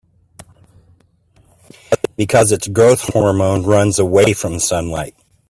Because its growth hormone runs away from sunlight.